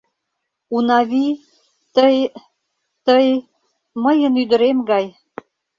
Унави... тый... тый... мыйын ӱдырем гай...